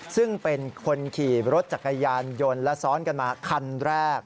ซึ่งเป็นคนขี่รถจักรยานยนต์และซ้อนกันมาคันแรก